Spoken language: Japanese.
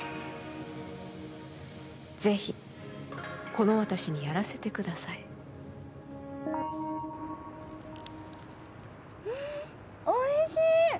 ぜひこの私にやらせてくださいうーんっおいしい！